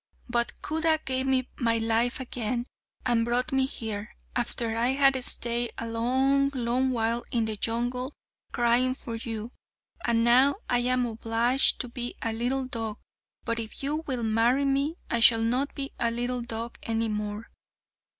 But Khuda gave me my life again, and brought me here, after I had stayed a long, long while in the jungle crying for you, and now I am obliged to be a little dog; but if you will marry me, I shall not be a little dog any more."